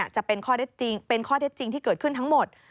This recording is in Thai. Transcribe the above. จะเป็นข้อเท็จจริงที่เกิดขึ้นทั้งหมด